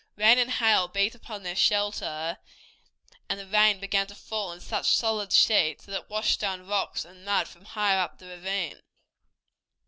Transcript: Rain and hail beat upon their shelter, and the rain began to fall in such solid sheets that it washed down rocks and mud from higher up the ravine.